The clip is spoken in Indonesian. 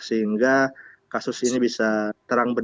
sehingga kasus ini bisa terang